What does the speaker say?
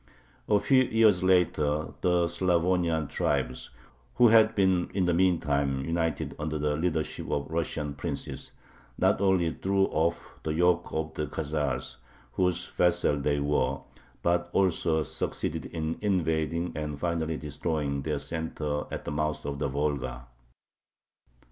A few years later the Slavonian tribes, who had in the meantime been united under the leadership of Russian princes, not only threw off the yoke of the Khazars, whose vassals they were, but also succeeded in invading and finally destroying their center at the mouth of the Volga.